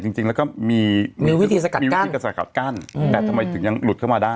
จริงจริงแล้วก็มีมีวิธีสกัดกั้นมีวิธีสกัดกั้นอืมแต่ทำไมถึงยังหลุดเข้ามาได้